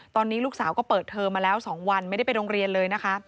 ตอนนี้ลูกสาวก็เปิดเทอมมาแล้ว๒วันไม่ได้ไปโรงเรียนเลยนะคะ